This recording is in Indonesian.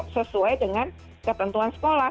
sesuai dengan ketentuan sekolah